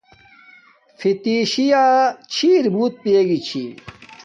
فتشی یا چھر بوت پی یگی چھی